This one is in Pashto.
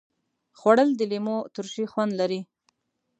خوړل د لیمو ترشي خوند لري